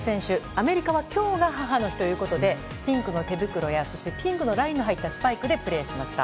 アメリカは今日が母の日ということでピンクの手袋やそして、ピンクのラインの入ったスパイクでプレーしました。